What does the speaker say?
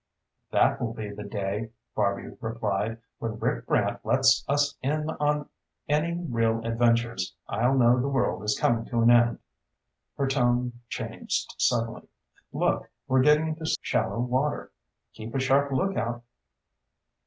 "That will be the day," Barby replied. "When Rick Brant lets us in on any real adventures, I'll know the world is coming to an end." Her tone changed suddenly. "Look, we're getting into shallow water. Keep a sharp lookout!"